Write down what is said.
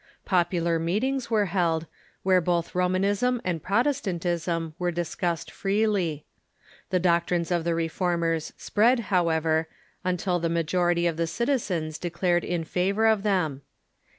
Popular meetings were held, where both Romanism and Protestantism were discussed freely. The doctrines of the Reformers spread, however, until the majority of the citizens declared in favor of them.